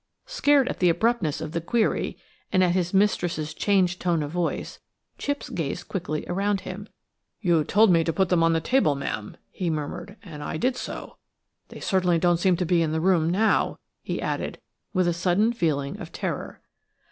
Scared at the abruptness of the query and at his mistress's changed tone of voice, Chipps gazed quickly around him. "You told me to put them on the table, ma'am," he murmured, "and I did so. They certainly don't seem to be in the room now–" he added, with a sudden feeling of terror.